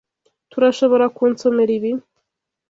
Turashoborakunsomera ibi?